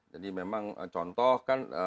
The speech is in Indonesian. jadi memang contoh kan